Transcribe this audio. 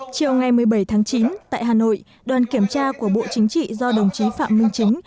chiều ngày một mươi bảy tháng chín tại hà nội đoàn kiểm tra của bộ chính trị do đồng chí phạm minh chính